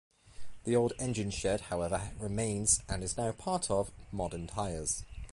The old engine shed, however, remains and is now part of Modern Tyres.